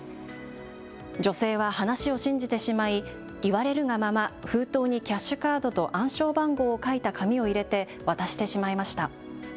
女性は話を信じてしまい言われるがまま封筒にキャッシュカードと暗証番号を書いた紙を入れて渡してしまいました。